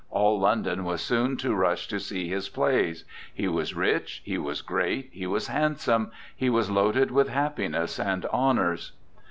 All London was soon to rush to see his plays. He was rich, he was great, he was handsome, he was loaded with happiness and honours.